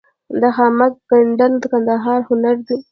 د خامک ګنډل د کندهار هنر دی.